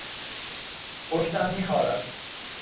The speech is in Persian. پشتم میخارد.